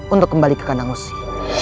untuk kembali ke kandang musi